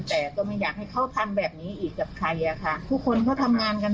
แต่ต้องอยากให้เข้าพรรณแบบนี้อีกกับใครก็คล่นนาย